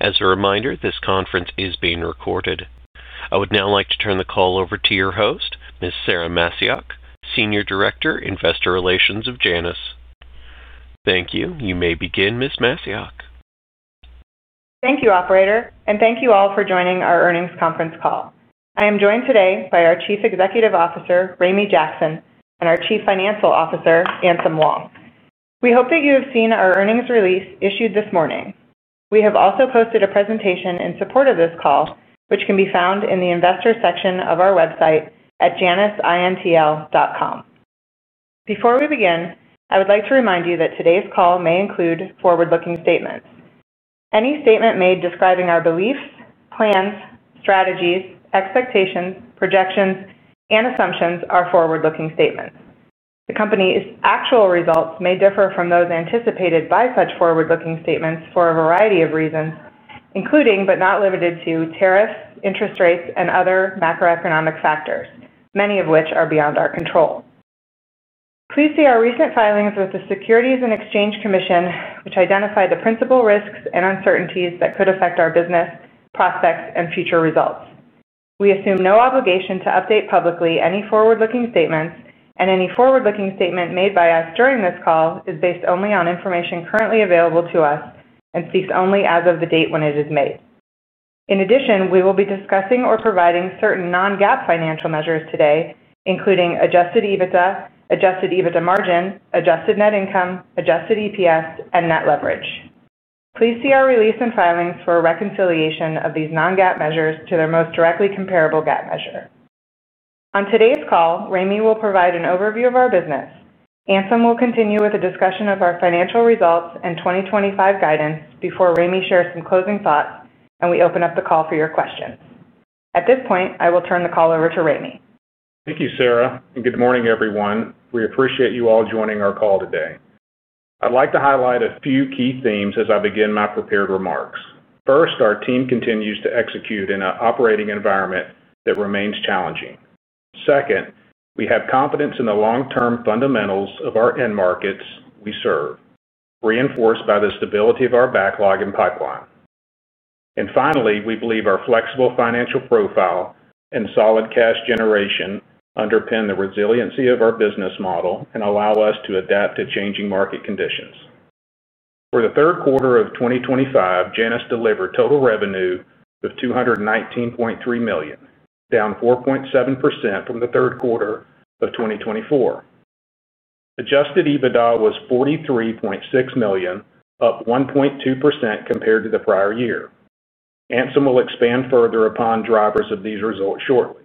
As a reminder, this conference is being recorded. I would now like to turn the call over to your host, Ms. Sara Macioch, Senior Director, Investor Relations of Janus. Thank you. You may begin, Ms. Macioch. Thank you, Operator, and thank you all for joining our earnings conference call. I am joined today by our Chief Executive Officer, Ramey Jackson, and our Chief Financial Officer, Anselm Wong. We hope that you have seen our earnings release issued this morning. We have also posted a presentation in support of this call, which can be found in the investor section of our website at janusintl.com. Before we begin, I would like to remind you that today's call may include forward-looking statements. Any statement made describing our beliefs, plans, strategies, expectations, projections, and assumptions are forward-looking statements. The company's actual results may differ from those anticipated by such forward-looking statements for a variety of reasons, including but not limited to tariffs, interest rates, and other macroeconomic factors, many of which are beyond our control. Please see our recent filings with the Securities and Exchange Commission, which identified the principal risks and uncertainties that could affect our business, prospects, and future results. We assume no obligation to update publicly any forward-looking statements, and any forward-looking statement made by us during this call is based only on information currently available to us and speaks only as of the date when it is made. In addition, we will be discussing or providing certain non-GAAP financial measures today, including Adjusted EBITDA, Adjusted EBITDA margin, adjusted net income, Adjusted EPS, and net leverage. Please see our release and filings for reconciliation of these non-GAAP measures to their most directly comparable GAAP measure. On today's call, Ramey will provide an overview of our business. Anselm will continue with a discussion of our financial results and 2025 guidance before Ramey shares some closing thoughts, and we open up the call for your questions. At this point, I will turn the call over to Ramey. Thank you, Sara, and good morning, everyone. We appreciate you all joining our call today. I'd like to highlight a few key themes as I begin my prepared remarks. First, our team continues to execute in an operating environment that remains challenging. Second, we have confidence in the long-term fundamentals of our end markets we serve, reinforced by the stability of our backlog and pipeline. Finally, we believe our flexible financial profile and solid cash generation underpin the resiliency of our business model and allow us to adapt to changing market conditions. For the third quarter of 2025, Janus delivered total revenue of $219.3 million, down 4.7% from the third quarter of 2024. Adjusted EBITDA was $43.6 million, up 1.2% compared to the prior year. Anselm will expand further upon drivers of these results shortly.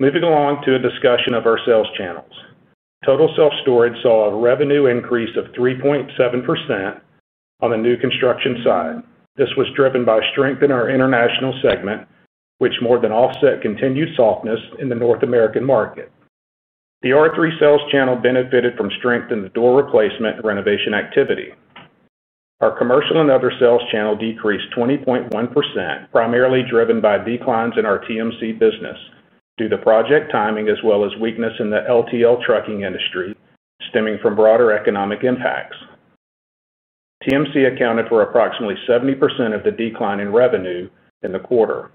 Moving along to a discussion of our sales channels. Total self-storage saw a revenue increase of 3.7% on the new construction side. This was driven by strength in our international segment, which more than offset continued softness in the North American market. The R3 sales channel benefited from strength in the door replacement renovation activity. Our commercial and other sales channel decreased 20.1%, primarily driven by declines in our TMC business due to project timing as well as weakness in the LTL trucking industry, stemming from broader economic impacts. TMC accounted for approximately 70% of the decline in revenue in the quarter.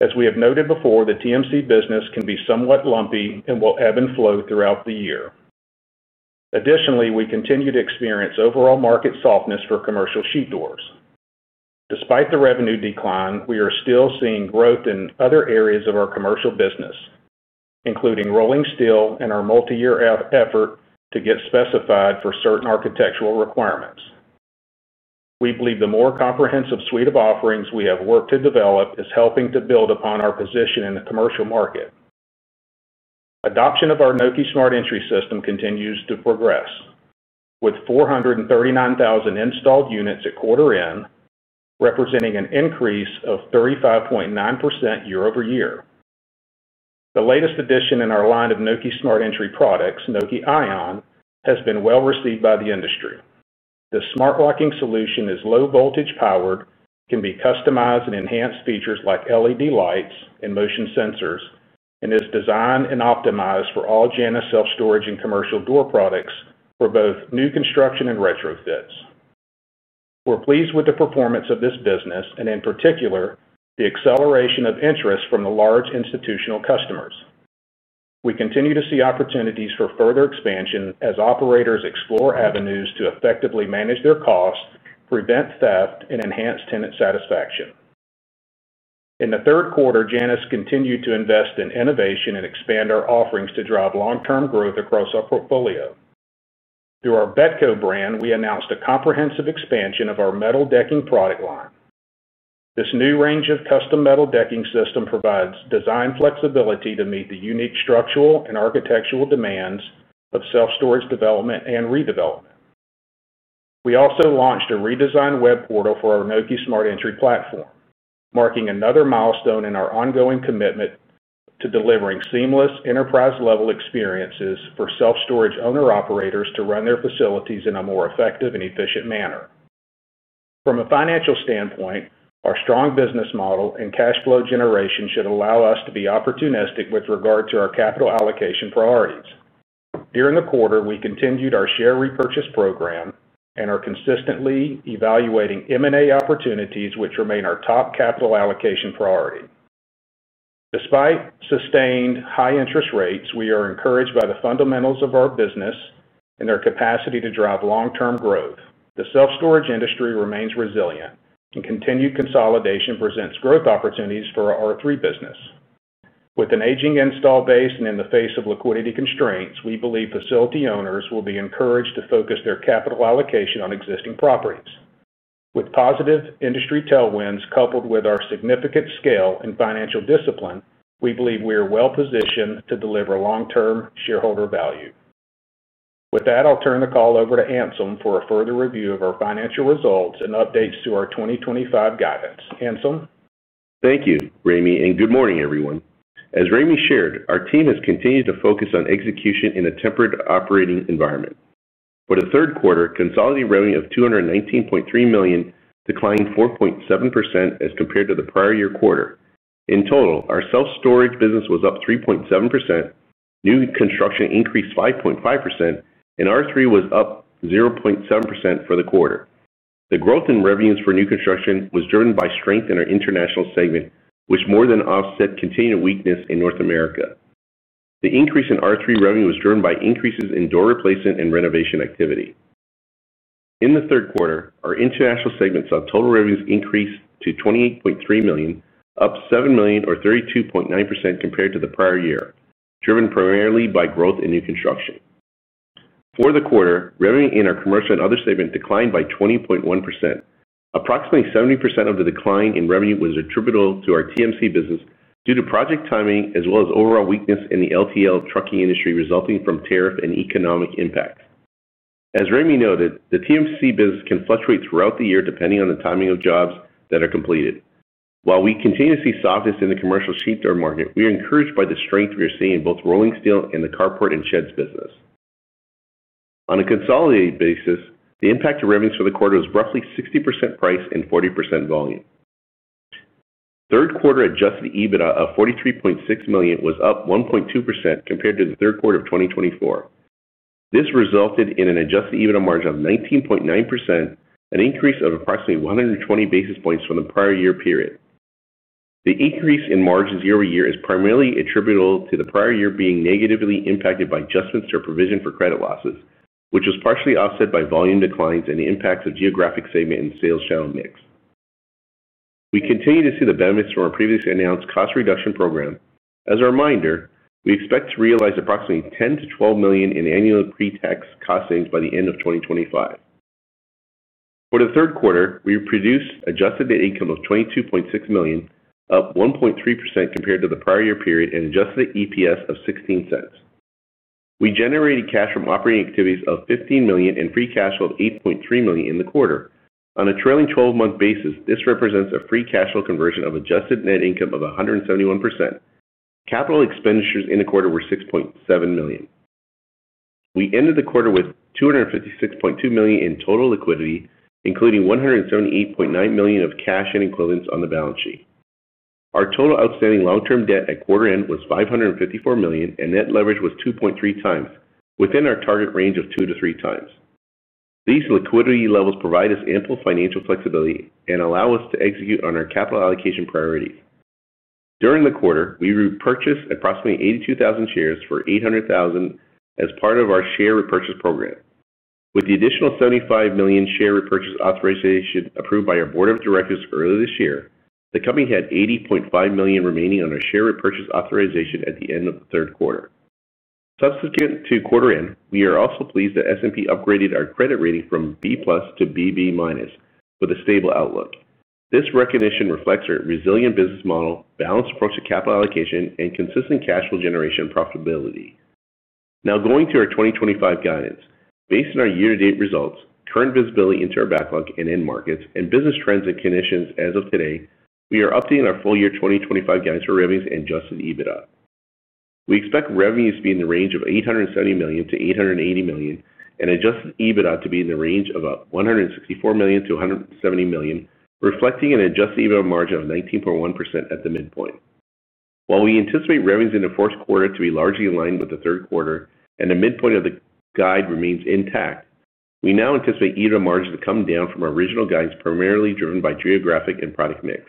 As we have noted before, the TMC business can be somewhat lumpy and will ebb and flow throughout the year. Additionally, we continue to experience overall market softness for commercial sheet doors. Despite the revenue decline, we are still seeing growth in other areas of our commercial business. Including rolling steel and our multi-year effort to get specified for certain architectural requirements. We believe the more comprehensive suite of offerings we have worked to develop is helping to build upon our position in the commercial market. Adoption of our Nokē Smart Entry system continues to progress, with 439,000 installed units at quarter-end, representing an increase of 35.9% year over year. The latest addition in our line of Nokē Smart Entry products, Nokē Ion, has been well received by the industry. The smart locking solution is low-voltage powered, can be customized and enhanced with features like LED lights and motion sensors, and is designed and optimized for all Janus self-storage and commercial door products for both new construction and retrofits. We're pleased with the performance of this business and, in particular, the acceleration of interest from the large institutional customers. We continue to see opportunities for further expansion as operators explore avenues to effectively manage their costs, prevent theft, and enhance tenant satisfaction. In the third quarter, Janus continued to invest in innovation and expand our offerings to drive long-term growth across our portfolio. Through our Betco brand, we announced a comprehensive expansion of our metal decking product line. This new range of custom metal decking system provides design flexibility to meet the unique structural and architectural demands of self-storage development and redevelopment. We also launched a redesigned web portal for our Nokē Smart Entry platform, marking another milestone in our ongoing commitment to delivering seamless enterprise-level experiences for self-storage owner-operators to run their facilities in a more effective and efficient manner. From a financial standpoint, our strong business model and cash flow generation should allow us to be opportunistic with regard to our capital allocation priorities. During the quarter, we continued our share repurchase program and are consistently evaluating M&A opportunities, which remain our top capital allocation priority. Despite sustained high-interest rates, we are encouraged by the fundamentals of our business and their capacity to drive long-term growth. The self-storage industry remains resilient, and continued consolidation presents growth opportunities for our R3 business. With an aging install base and in the face of liquidity constraints, we believe facility owners will be encouraged to focus their capital allocation on existing properties. With positive industry tailwinds coupled with our significant scale and financial discipline, we believe we are well positioned to deliver long-term shareholder value. With that, I'll turn the call over to Anselm for a further review of our financial results and updates to our 2025 guidance. Anselm? Thank you, Ramey, and good morning, everyone. As Ramey shared, our team has continued to focus on execution in a tempered operating environment. For the third quarter, consolidated revenue of $219.3 million declined 4.7% as compared to the prior year quarter. In total, our self-storage business was up 3.7%, new construction increased 5.5%, and R3 was up 0.7% for the quarter. The growth in revenues for new construction was driven by strength in our international segment, which more than offset continued weakness in North America. The increase in R3 revenue was driven by increases in door replacement and renovation activity. In the third quarter, our international segment saw total revenues increase to $28.3 million, up $7 million, or 32.9% compared to the prior year, driven primarily by growth in new construction. For the quarter, revenue in our commercial and other segment declined by 20.1%. Approximately 70% of the decline in revenue was attributable to our TMC business due to project timing as well as overall weakness in the LTL trucking industry resulting from tariff and economic impact. As Ramey noted, the TMC business can fluctuate throughout the year depending on the timing of jobs that are completed. While we continue to see softness in the commercial sheet door market, we are encouraged by the strength we are seeing in both rolling steel and the carport and sheds business. On a consolidated basis, the impact of revenues for the quarter was roughly 60% price and 40% volume. Third quarter Adjusted EBITDA of $43.6 million was up 1.2% compared to the third quarter of 2024. This resulted in an Adjusted EBITDA margin of 19.9%, an increase of approximately 120 basis points from the prior year period. The increase in margins year over year is primarily attributable to the prior year being negatively impacted by adjustments to provision for credit losses, which was partially offset by volume declines and the impacts of geographic segment and sales channel mix. We continue to see the benefits from our previously announced cost reduction program. As a reminder, we expect to realize approximately $10 million-$12 million in annual pre-tax cost savings by the end of 2025. For the third quarter, we produced adjusted income of $22.6 million, up 1.3% compared to the prior year period, and Adjusted EPS of $0.16. We generated cash from operating activities of $15 million and free cash flow of $8.3 million in the quarter. On a trailing 12-month basis, this represents a free cash flow conversion of adjusted net income of 171%. Capital expenditures in the quarter were $6.7 million. We ended the quarter with $256.2 million in total liquidity, including $178.9 million of cash and equivalents on the balance sheet. Our total outstanding long-term debt at quarter-end was $554 million, and net leverage was 2.3 times, within our target range of 2-3 times. These liquidity levels provide us ample financial flexibility and allow us to execute on our capital allocation priorities. During the quarter, we repurchased approximately 82,000 shares for $800,000 as part of our share repurchase program. With the additional $75 million share repurchase authorization approved by our board of directors earlier this year, the company had $80.5 million remaining on our share repurchase authorization at the end of the third quarter. Subsequent to quarter-end, we are also pleased that S&P upgraded our credit rating from B plus to BB minus with a stable outlook. This recognition reflects our resilient business model, balanced approach to capital allocation, and consistent cash flow generation profitability. Now going to our 2025 guidance. Based on our year-to-date results, current visibility into our backlog and end markets, and business trends and conditions as of today, we are updating our full year 2025 guidance for revenues and Adjusted EBITDA. We expect revenues to be in the range of $870 million-$880 million and Adjusted EBITDA to be in the range of $164 million-$170 million, reflecting an Adjusted EBITDA margin of 19.1% at the midpoint. While we anticipate revenues in the fourth quarter to be largely aligned with the third quarter and the midpoint of the guide remains intact, we now anticipate EBITDA margins to come down from our original guidance, primarily driven by geographic and product mix.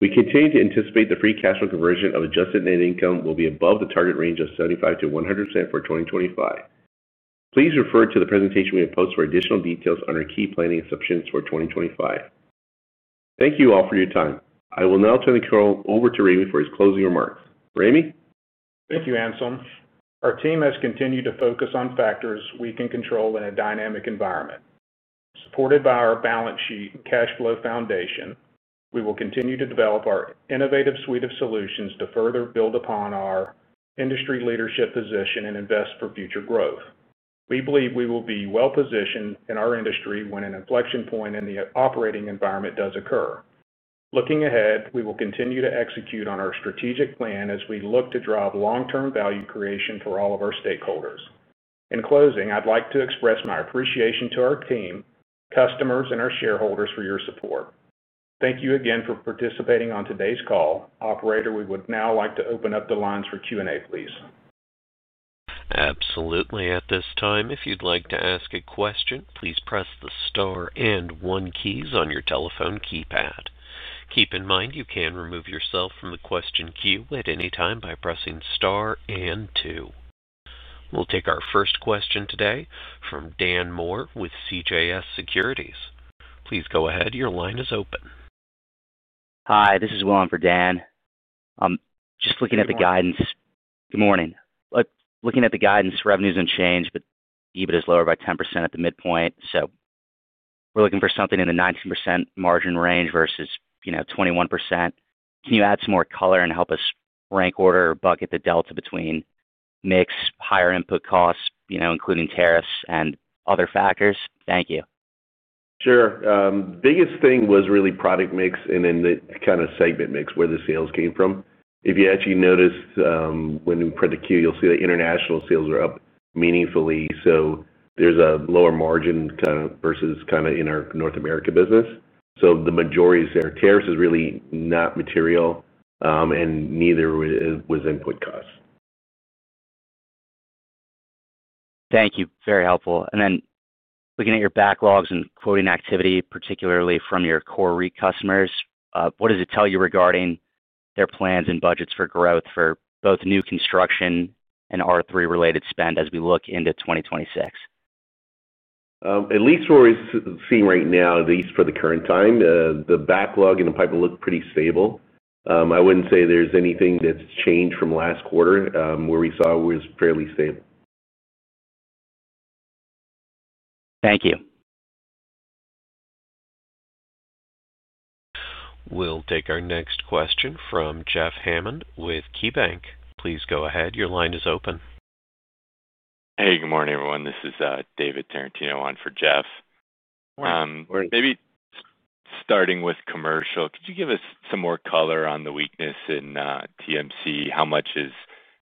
We continue to anticipate the free cash flow conversion of adjusted net income will be above the target range of 75-100% for 2025. Please refer to the presentation we have posted for additional details on our key planning assumptions for 2025. Thank you all for your time. I will now turn the call over to Ramey for his closing remarks. Ramey? Thank you, Anselm. Our team has continued to focus on factors we can control in a dynamic environment. Supported by our balance sheet and cash flow foundation, we will continue to develop our innovative suite of solutions to further build upon our industry leadership position and invest for future growth. We believe we will be well positioned in our industry when an inflection point in the operating environment does occur. Looking ahead, we will continue to execute on our strategic plan as we look to drive long-term value creation for all of our stakeholders. In closing, I'd like to express my appreciation to our team, customers, and our shareholders for your support. Thank you again for participating on today's call. Operator, we would now like to open up the lines for Q&A, please. Absolutely. At this time, if you'd like to ask a question, please press the star and one keys on your telephone keypad. Keep in mind you can remove yourself from the question queue at any time by pressing star and two. We'll take our first question today from Dan Moore with CJS Securities. Please go ahead. Your line is open. Hi, this is Will for Dan. I'm just looking at the guidance. Good morning. Looking at the guidance, revenues unchanged, but EBIT is lower by 10% at the midpoint. We're looking for something in the 19% margin range versus 21%. Can you add some more color and help us rank order or bucket the delta between mix, higher input costs, including tariffs, and other factors? Thank you. Sure. The biggest thing was really product mix and then the kind of segment mix where the sales came from. If you actually noticed when we put the Q, you'll see the international sales were up meaningfully. So there's a lower margin kind of versus kind of in our North America business. So the majority is there. Tariffs is really not material. And neither was input costs. Thank you. Very helpful. Looking at your backlogs and quoting activity, particularly from your core customers, what does it tell you regarding their plans and budgets for growth for both new construction and R3-related spend as we look into 2026? At least what we're seeing right now, at least for the current time, the backlog and the pipeline look pretty stable. I wouldn't say there's anything that's changed from last quarter where we saw it was fairly stable. Thank you. We'll take our next question from Jeff Hammond with KeyBank. Please go ahead. Your line is open. Hey, good morning, everyone. This is David Tarantino on for Jeff. Morning. Maybe starting with commercial, could you give us some more color on the weakness in TMC? How much is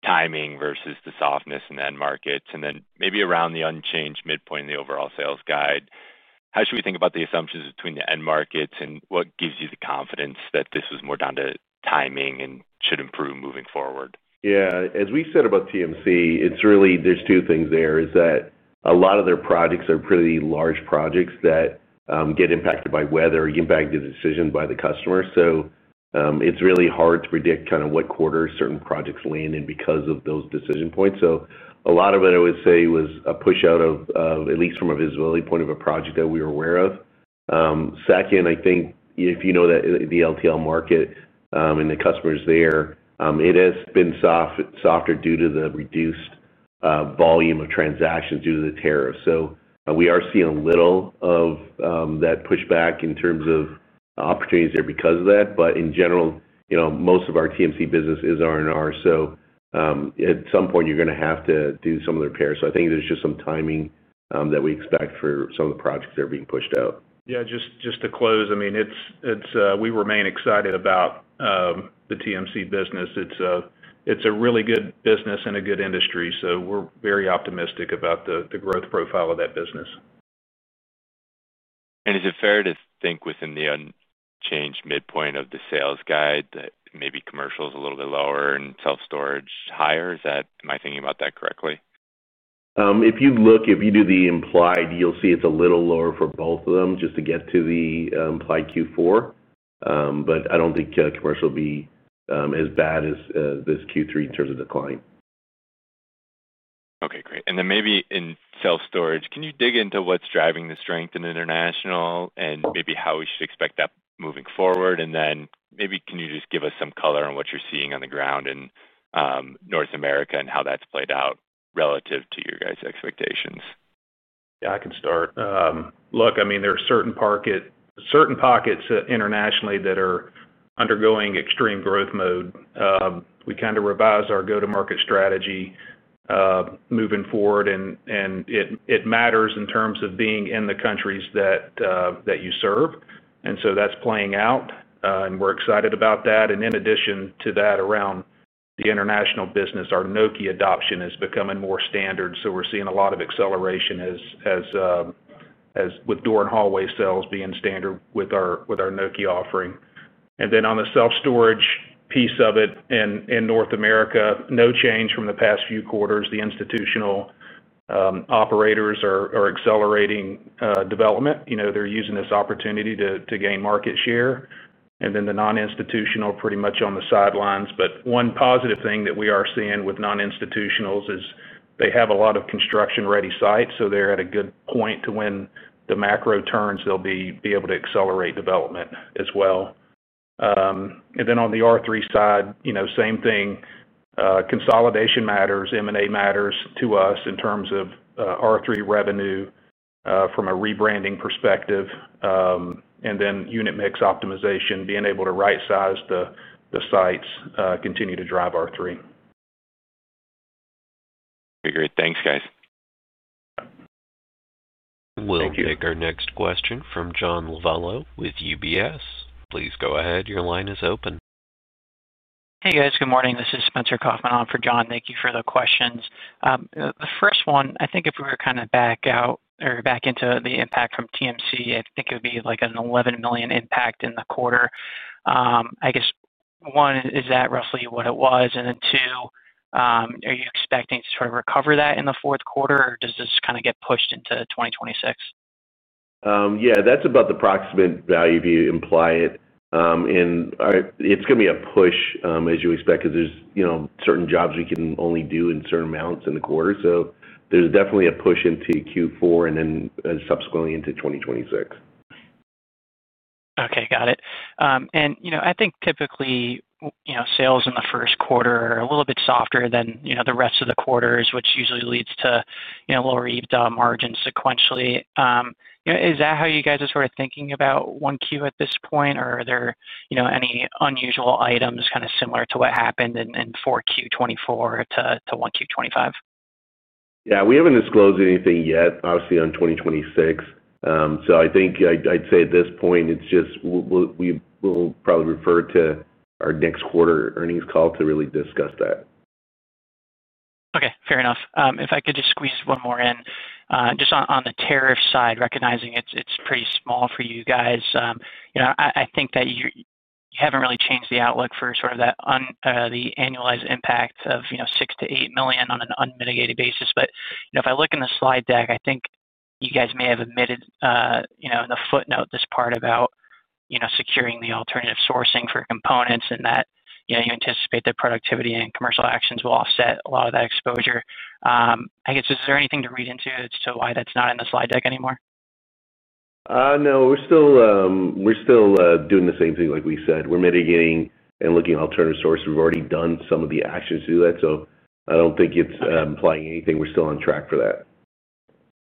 timing versus the softness in end markets? Then maybe around the unchanged midpoint in the overall sales guide, how should we think about the assumptions between the end markets and what gives you the confidence that this was more down to timing and should improve moving forward? Yeah. As we said about TMC, it's really there's two things there. Is that a lot of their projects are pretty large projects that get impacted by weather or impacted decisions by the customer. It's really hard to predict kind of what quarter certain projects land in because of those decision points. A lot of it, I would say, was a push out of at least from a visibility point of a project that we were aware of. Second, I think if you know that the LTL market and the customers there, it has been softer due to the reduced volume of transactions due to the tariffs. We are seeing a little of that pushback in terms of opportunities there because of that. In general, most of our TMC business is R&R. At some point, you're going to have to do some of the repairs. I think there's just some timing that we expect for some of the projects that are being pushed out. Yeah. Just to close, I mean, we remain excited about the TMC business. It's a really good business and a good industry. So we're very optimistic about the growth profile of that business. Is it fair to think within the unchanged midpoint of the sales guide that maybe commercial is a little bit lower and self-storage higher? Am I thinking about that correctly? If you look, if you do the implied, you'll see it's a little lower for both of them just to get to the implied Q4. I don't think commercial will be as bad as this Q3 in terms of decline. Okay. Great. Maybe in self-storage, can you dig into what's driving the strength in international and maybe how we should expect that moving forward? Maybe can you just give us some color on what you're seeing on the ground in North America and how that's played out relative to your guys' expectations? Yeah, I can start. Look, I mean, there are certain pockets internationally that are undergoing extreme growth mode. We kind of revised our go-to-market strategy moving forward, and it matters in terms of being in the countries that you serve. That is playing out, and we're excited about that. In addition to that, around the international business, our Nokē adoption is becoming more standard. We're seeing a lot of acceleration with door and hallway sales being standard with our Nokē offering. On the self-storage piece of it in North America, no change from the past few quarters. The institutional operators are accelerating development. They're using this opportunity to gain market share. The non-institutional are pretty much on the sidelines. One positive thing that we are seeing with non-institutionals is they have a lot of construction-ready sites. They're at a good point to when the macro turns, they'll be able to accelerate development as well. On the R3 side, same thing. Consolidation matters. M&A matters to us in terms of R3 revenue from a rebranding perspective. Unit mix optimization, being able to right-size the sites, continues to drive R3. Okay. Great. Thanks, guys. We'll take our next question from John Lovallo with UBS. Please go ahead. Your line is open. Hey, guys. Good morning. This is Spencer Kaufman on for John. Thank you for the questions. The first one, I think if we were kind of back out or back into the impact from TMC, I think it would be like an $11 million impact in the quarter. I guess one, is that roughly what it was? And then two. Are you expecting to sort of recover that in the fourth quarter, or does this kind of get pushed into 2026? Yeah. That's about the approximate value if you imply it. It's going to be a push as you expect because there are certain jobs we can only do in certain amounts in the quarter. There's definitely a push into Q4 and then subsequently into 2026. Okay. Got it. I think typically sales in the first quarter are a little bit softer than the rest of the quarters, which usually leads to lower EBITDA margin sequentially. Is that how you guys are sort of thinking about one Q at this point, or are there any unusual items kind of similar to what happened in four Q 2024 to one Q 2025? Yeah. We haven't disclosed anything yet, obviously, on 2026. I think I'd say at this point, it's just we'll probably refer to our next quarter earnings call to really discuss that. Okay. Fair enough. If I could just squeeze one more in, just on the tariff side, recognizing it's pretty small for you guys, I think that you haven't really changed the outlook for sort of the annualized impact of $6 million-$8 million on an unmitigated basis. If I look in the slide deck, I think you guys may have omitted in the footnote this part about securing the alternative sourcing for components and that you anticipate that productivity and commercial actions will offset a lot of that exposure. I guess, is there anything to read into as to why that's not in the slide deck anymore? No. We're still doing the same thing like we said. We're mitigating and looking at alternative sources. We've already done some of the actions to do that. I don't think it's implying anything. We're still on track for that.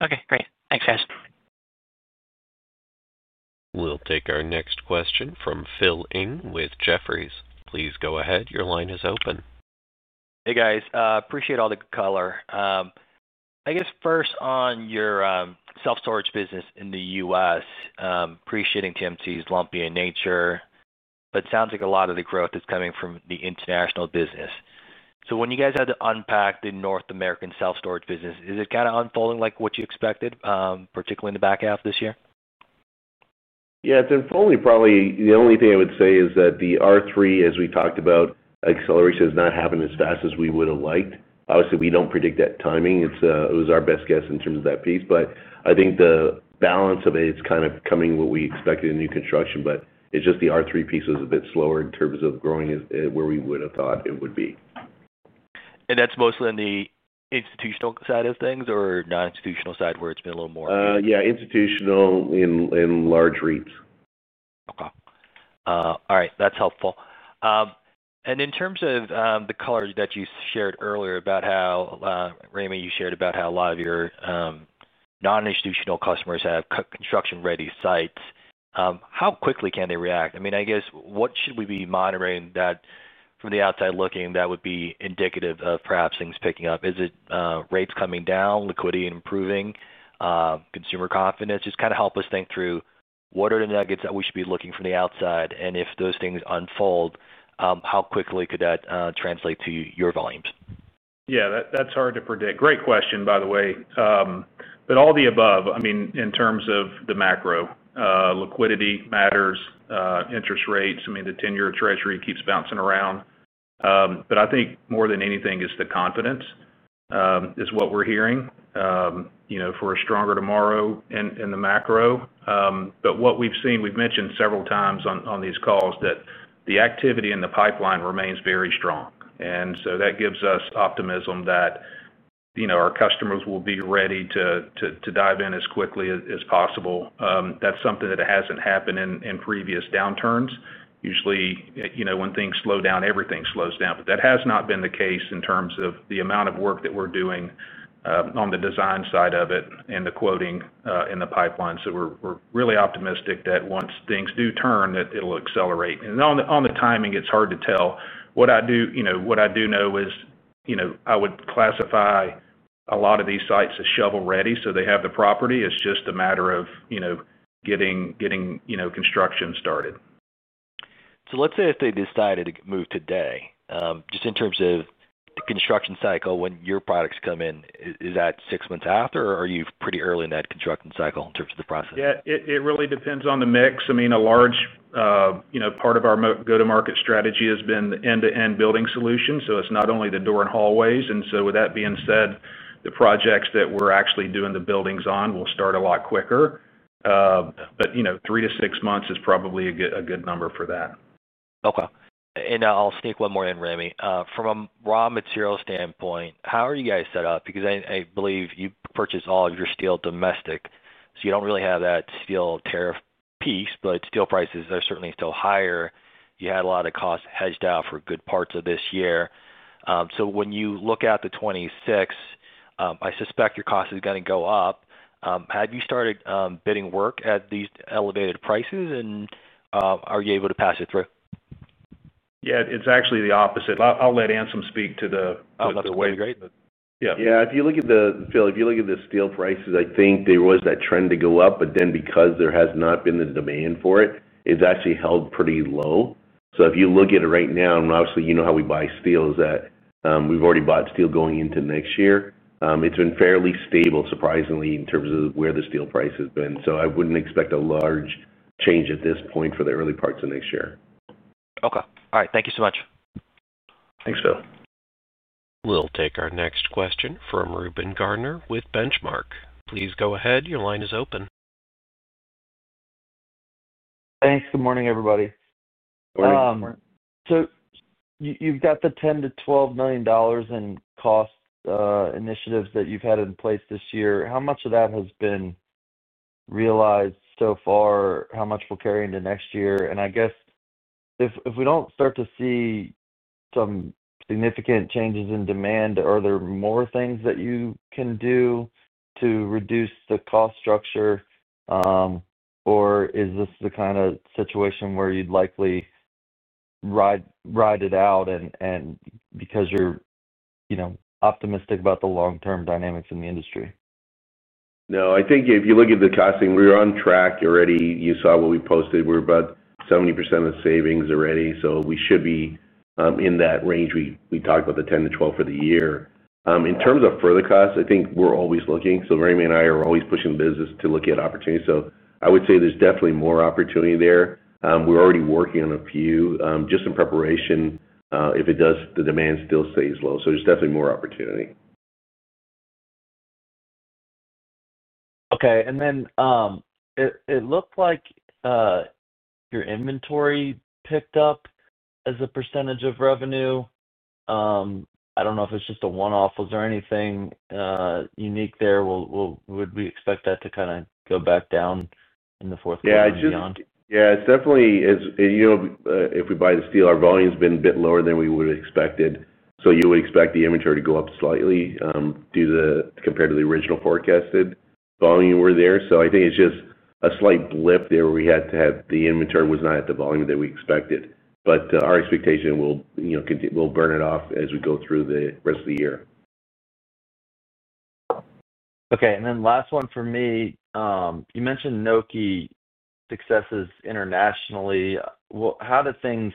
Okay. Great. Thanks, guys. We'll take our next question from Phil Ng with Jefferies. Please go ahead. Your line is open. Hey, guys. Appreciate all the color. I guess first on your self-storage business in the U.S., appreciating TMC's lumpy in nature, but it sounds like a lot of the growth is coming from the international business. So when you guys had to unpack the North American self-storage business, is it kind of unfolding like what you expected, particularly in the back half of this year? Yeah. It's unfolding probably. The only thing I would say is that the R3, as we talked about, acceleration is not happening as fast as we would have liked. Obviously, we do not predict that timing. It was our best guess in terms of that piece. I think the balance of it, it's kind of coming what we expected in new construction, but it's just the R3 piece was a bit slower in terms of growing where we would have thought it would be. Is that mostly in the institutional side of things or non-institutional side where it's been a little more? Yeah. Institutional and large REITs. Okay. All right. That's helpful. In terms of the color that you shared earlier about how, Ramey, you shared about how a lot of your non-institutional customers have construction-ready sites, how quickly can they react? I mean, I guess, what should we be monitoring from the outside looking that would be indicative of perhaps things picking up? Is it rates coming down, liquidity improving, consumer confidence? Just kind of help us think through what are the nuggets that we should be looking for the outside. If those things unfold, how quickly could that translate to your volumes? Yeah. That's hard to predict. Great question, by the way. But all the above, I mean, in terms of the macro, liquidity matters, interest rates. I mean, the 10-year treasury keeps bouncing around. But I think more than anything is the confidence. Is what we're hearing. For a stronger tomorrow in the macro. But what we've seen, we've mentioned several times on these calls that the activity in the pipeline remains very strong. And so that gives us optimism that. Our customers will be ready to dive in as quickly as possible. That's something that hasn't happened in previous downturns. Usually, when things slow down, everything slows down. But that has not been the case in terms of the amount of work that we're doing on the design side of it and the quoting in the pipeline. So we're really optimistic that once things do turn, that it'll accelerate. On the timing, it's hard to tell. What I do know is I would classify a lot of these sites as shovel-ready. They have the property. It's just a matter of getting construction started. Let's say if they decided to move today, just in terms of the construction cycle, when your products come in, is that six months after, or are you pretty early in that construction cycle in terms of the process? Yeah. It really depends on the mix. I mean, a large part of our go-to-market strategy has been end-to-end building solutions. So it's not only the door and hallways. And with that being said, the projects that we're actually doing the buildings on will start a lot quicker. But three to six months is probably a good number for that. Okay. I'll sneak one more in, Ramey. From a raw materials standpoint, how are you guys set up? I believe you purchase all of your steel domestic, so you do not really have that steel tariff piece, but steel prices are certainly still higher. You had a lot of costs hedged out for good parts of this year. When you look at 2026, I suspect your cost is going to go up. Have you started bidding work at these elevated prices, and are you able to pass it through? Yeah. It's actually the opposite. I'll let Anselm speak to the other way. Oh, that's great. Yeah. Yeah. If you look at the, Phil, if you look at the steel prices, I think there was that trend to go up. But then because there has not been the demand for it, it has actually held pretty low. If you look at it right now, and obviously, you know how we buy steel, is that we have already bought steel going into next year. It has been fairly stable, surprisingly, in terms of where the steel price has been. I would not expect a large change at this point for the early parts of next year. Okay. All right. Thank you so much. Thanks, Phil. We'll take our next question from Ruben Gardner with Benchmark. Please go ahead. Your line is open. Thanks. Good morning, everybody. Good morning. You've got the $10 million-12 million in cost initiatives that you've had in place this year. How much of that has been realized so far? How much will carry into next year? I guess if we don't start to see some significant changes in demand, are there more things that you can do to reduce the cost structure, or is this the kind of situation where you'd likely ride it out because you're optimistic about the long-term dynamics in the industry? No. I think if you look at the costing, we're on track already. You saw what we posted. We're about 70% of the savings already. We should be in that range. We talked about the 10-12 for the year. In terms of further costs, I think we're always looking. Ramey and I are always pushing the business to look at opportunities. I would say there's definitely more opportunity there. We're already working on a few just in preparation. If it does, the demand still stays low. There's definitely more opportunity. Okay. It looked like your inventory picked up as a percentage of revenue. I do not know if it is just a one-off. Was there anything unique there? Would we expect that to kind of go back down in the fourth quarter and beyond? Yeah. It's definitely. If we buy the steel, our volume has been a bit lower than we would have expected. You would expect the inventory to go up slightly. Compared to the original forecasted volume, we're there. I think it's just a slight blip there where we had to have the inventory was not at the volume that we expected. Our expectation will burn it off as we go through the rest of the year. Okay. Last one for me. You mentioned Nokē successes internationally. How do things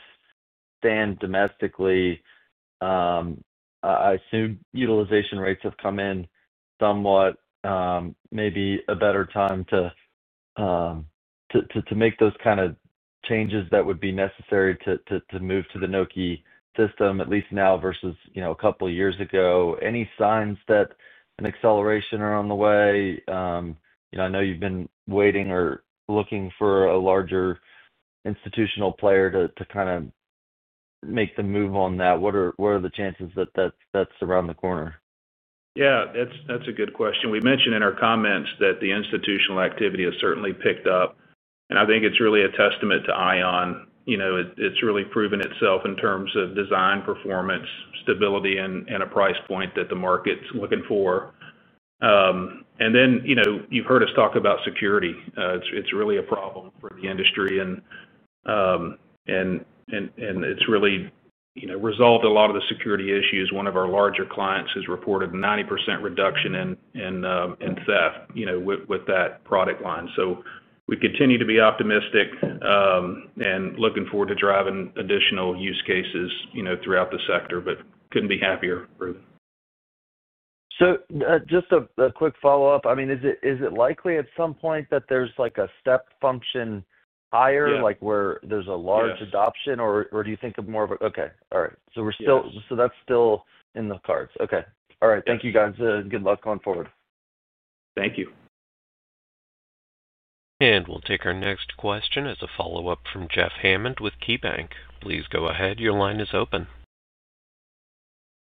stand domestically? I assume utilization rates have come in somewhat. Maybe a better time to make those kind of changes that would be necessary to move to the Nokē system, at least now versus a couple of years ago. Any signs that an acceleration is on the way? I know you've been waiting or looking for a larger institutional player to kind of make the move on that. What are the chances that that's around the corner? Yeah. That's a good question. We mentioned in our comments that the institutional activity has certainly picked up. I think it's really a testament to Ion. It's really proven itself in terms of design, performance, stability, and a price point that the market's looking for. You've heard us talk about security. It's really a problem for the industry. It's really resolved a lot of the security issues. One of our larger clients has reported a 90% reduction in theft with that product line. We continue to be optimistic and looking forward to driving additional use cases throughout the sector, but couldn't be happier. Just a quick follow-up. I mean, is it likely at some point that there's a step function higher where there's a large adoption, or do you think of more of a, okay. All right. So that's still in the cards. Okay. All right. Thank you, guys. Good luck going forward. Thank you. We will take our next question as a follow-up from Jeff Hammond with KeyBank. Please go ahead. Your line is open.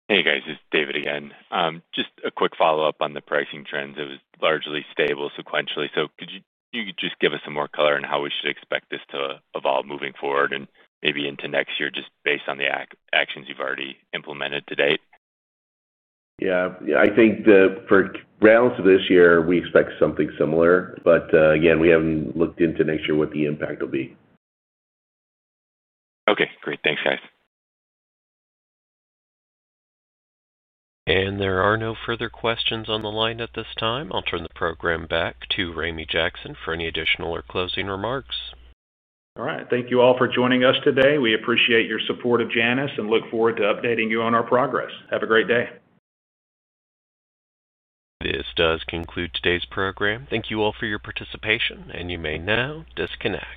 Hey, guys. It's David again. Just a quick follow-up on the pricing trends. It was largely stable sequentially. Could you just give us some more color on how we should expect this to evolve moving forward and maybe into next year just based on the actions you've already implemented to date? Yeah. I think for rounds of this year, we expect something similar. Again, we haven't looked into next year what the impact will be. Okay. Great. Thanks, guys. There are no further questions on the line at this time. I'll turn the program back to Ramey Jackson for any additional or closing remarks. All right. Thank you all for joining us today. We appreciate your support of Janus and look forward to updating you on our progress. Have a great day. This does conclude today's program. Thank you all for your participation, and you may now disconnect.